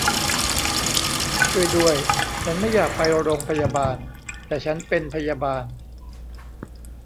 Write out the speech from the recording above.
ช่วยด้วย ฉันไม่อยากไปโรงพยาบาล แต่ฉันเป็นพยาบาล